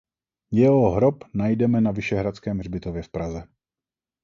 Jeho hrob najdeme na Vyšehradském hřbitově v Praze.